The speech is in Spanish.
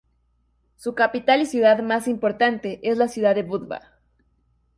Su capital y ciudad más importante es la ciudad de Budva.